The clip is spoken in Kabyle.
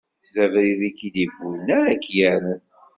D abrid i k-id-iwwin ara k-irren.